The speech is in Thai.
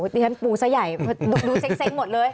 อ๋อเตรียมปูซะใหญ่ดูเซ็งหมดเลย